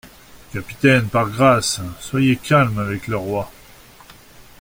Capitaine, par grâce ! soyez calme avec le roi.